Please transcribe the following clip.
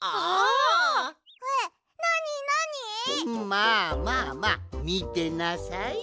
まあまあまあみてなさい。